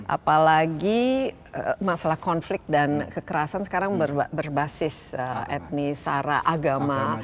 apalagi masalah konflik dan kekerasan sekarang berbasis etnis sara agama